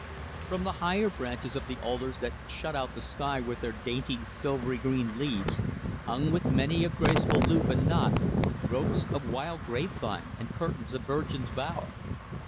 From the higher branches of the alders that shut out the sky with their dainty, silvery green leaves, hung with many a graceful loop and knot ropes of wild grape vine and curtains of virgin's bower.